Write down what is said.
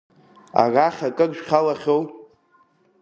Арахь акыр шәхалахьоу?